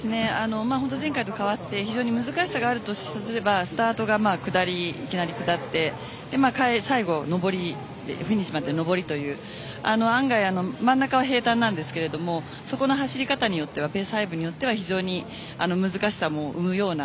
前回と変わって非常に難しさがあるとすればスタートがいきなり下って、最後フィニッシュまで上りという案外、真ん中は平たんですがそこの走り方によってはペース配分によっては難しさも生むような。